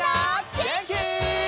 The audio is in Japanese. げんき？